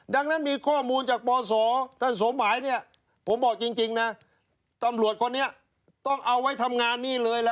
ดังนั้นมีข้อมูลจากปศท่านสมหมายเนี่ยผมบอกจริงนะตำรวจคนนี้ต้องเอาไว้ทำงานนี่เลยล่ะ